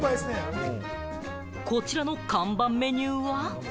こちらの看板メニューは。